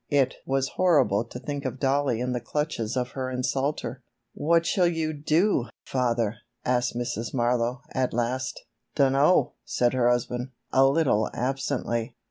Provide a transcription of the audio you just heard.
It was horrible to think of Dollie in the clutches of her insulter. "What shall you dew, father?" asked Mrs. Marlowe, at last. "Dunno," said her husband, a little absently.